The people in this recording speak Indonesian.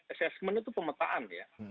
assessment itu pemetaan ya